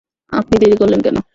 আপনি দেরী করলেন কেন?